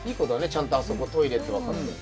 ちゃんとあそこトイレって分かって。